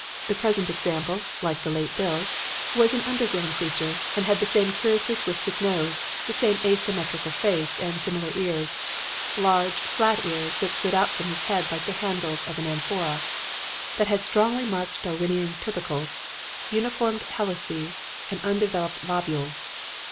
The present example, like the late Bill, was an undergrown creature, and had the same curiously twisted nose, the same asymmetrical face and similar ears large, flat ears that stood out from his head like the handles of an amphora, that had strongly marked Darwinian tubercles, unformed helices and undeveloped lobules.